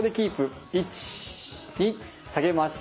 １２下げます。